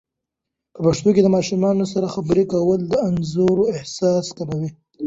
په پښتو د ماشومانو سره خبرې کول، د انزوا احساس کموي.